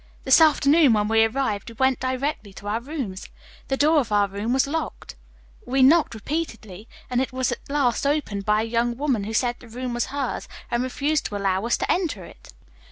This afternoon, when we arrived, we went directly to our rooms. The door of our room was locked, however. We knocked repeatedly, and it was at last opened by a young woman who said the room was hers and refused to allow us to enter it."